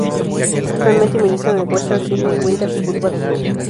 Actualmente milita en el Western Sydney Wanderers Football Club.